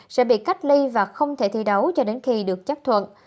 sẽ bị cách ly và không thể thi đấu cho đến khi được chấp thuận